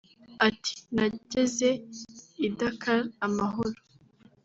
Ati “Nageze i Dakar amahoro